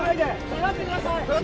下がってください！